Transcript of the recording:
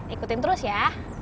ikutin terus ya